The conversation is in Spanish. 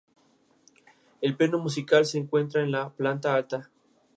El ciclo Atkinson puede usarse en una máquina rotativa.